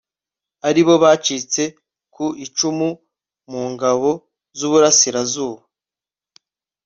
ari bo bacitse ku icumu mu ngabo z'iburasirazuba